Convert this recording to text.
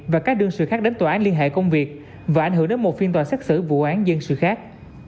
và các đương sự khác đến tòa án liên hệ công việc và ảnh hưởng đến một phiên tòa xét xử vụ án dân sự khác